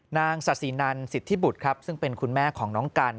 นางศาสินันสิทธิบุตรครับซึ่งเป็นคุณแม่ของน้องกัน